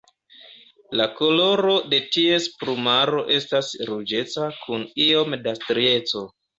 La koloro de ties plumaro estas ruĝeca kun iome da strieco.